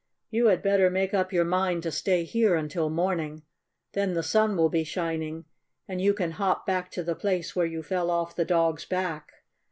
You had better make up your mind to stay here until morning. Then the sun will be shining and you can hop back to the place where you fell off the dog's back.